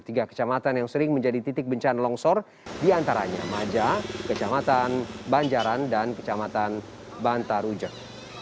tiga kecamatan yang sering menjadi titik bencana longsor diantaranya maja kecamatan banjaran dan kecamatan bantarujak